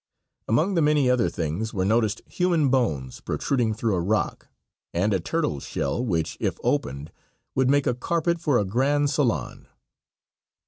Among the many other things were noticed human bones protruding through a rock, and a turtle's shell which, if opened, would make a carpet for a grand salon.